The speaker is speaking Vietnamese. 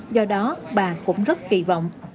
do đó bà cũng rất kỳ vọng